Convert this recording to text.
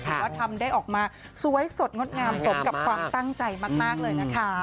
ว่าทำได้ออกมาสวยสดงดงามสมกับความตั้งใจมากเลยนะคะ